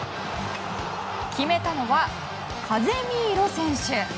決めたのはカゼミーロ選手。